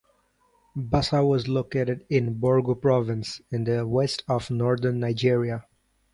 Bussa was located in Borgu province in the west of Northern Nigeria.